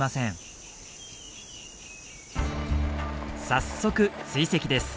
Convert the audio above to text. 早速追跡です。